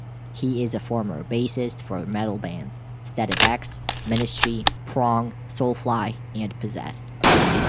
He is a former bassist for metal bands Static-X, Ministry, Prong, Soulfly, and Possessed.